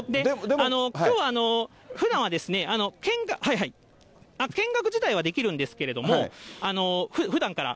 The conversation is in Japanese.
きょうは、ふだんは見学自体はできるんですけれども、ふだんから。